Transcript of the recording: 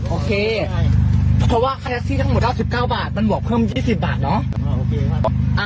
โอเคใช่เพราะว่าค่าแท็กซี่ทั้งหมด๙๙บาทมันบวกเพิ่ม๒๐บาทเนาะ